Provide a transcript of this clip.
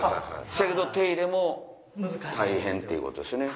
そやけど手入れも大変っていうことですよね。